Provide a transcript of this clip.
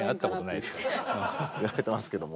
言われてますけども。